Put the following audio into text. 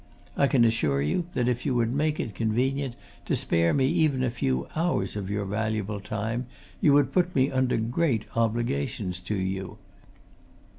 I can assure you that if you could make it convenient to spare me even a few hours of your valuable time you would put me under great obligations to you.